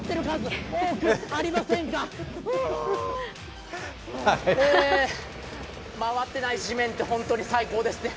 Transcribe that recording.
はあ、回ってない地面って本当に最高ですね。